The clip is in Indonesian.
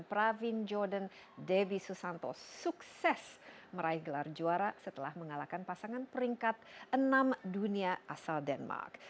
pravin jordan devi susanto sukses meraih gelar juara setelah mengalahkan pasangan peringkat enam dunia asal denmark